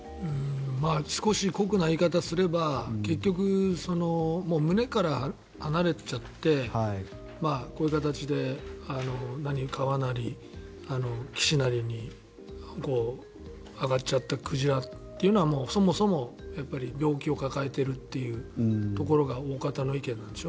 少し酷な言い方をすれば結局、群れから離れちゃってこういう形で川なり岸なりに揚がっちゃった鯨っていうのはそもそも病気を抱えているっていうところが大方の意見なんでしょ。